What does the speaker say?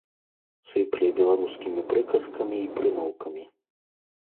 Сыпле беларускімі прыказкамі й прымаўкамі.